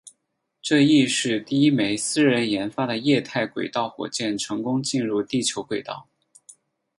这亦是第一枚私人研发的液态轨道火箭成功进入地球轨道。